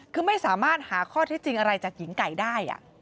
คือไม่สามารถหาข้อเท็จจริงอะไรจากหญิงไก่ได้